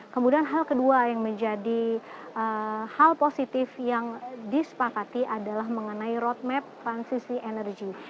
kemudian hal kedua yang menjadi hal positif yang disepakati adalah mengenai roadmap transisi energi